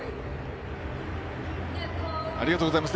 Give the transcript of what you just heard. ありがとうございます。